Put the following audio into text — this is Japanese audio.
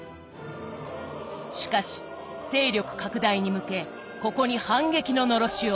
しかし勢力拡大に向けここに反撃ののろしを上げた。